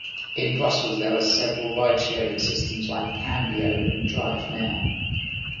In Brussels there are several ridesharing systems like Cambio and DriveNow.